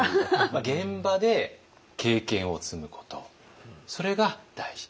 現場で経験を積むことそれが大事。